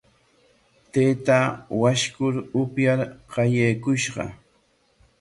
Taytaa washku upyar qallaykushqa.